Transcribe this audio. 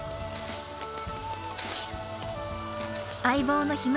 相棒のひむ